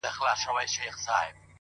دا ستا شعرونه مي د زړه آواز دى~